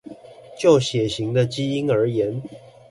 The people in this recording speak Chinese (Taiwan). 就血型的基因而言